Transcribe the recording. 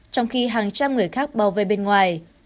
trong khi hàng trăm người khác bao vây bên ngoài